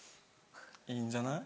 いいんじゃない？